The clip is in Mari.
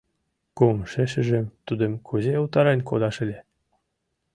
Кумшешыжым тудым кузе утарен кодаш ыле?